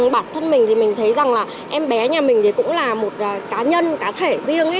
bản thân mình thì mình thấy rằng là em bé nhà mình thì cũng là một cá nhân cá thể riêng